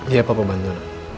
ya bapak bantu